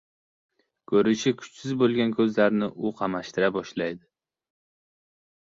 Ko‘rishi kuchsiz bo‘lgan ko‘zlarni u qamashtira boshlaydi